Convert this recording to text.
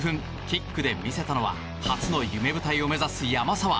キックで見せたのは初の夢舞台を目指す山沢。